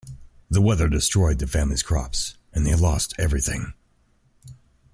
The weather destroyed the family's crops, and they lost everything.